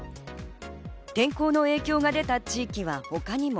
天候の影響が出た地域は他にも。